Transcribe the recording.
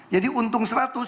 jadi untung seratus